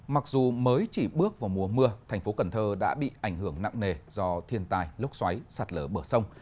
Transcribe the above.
mặc dù mới chỉ bước vào mùa mưa thành phố cần thơ đã bị ảnh hưởng nặng nề do thiên tài lốc xoáy sạt lở bờ sông